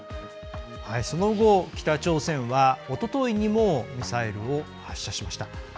その後、北朝鮮はおとといにもミサイルを発射しました。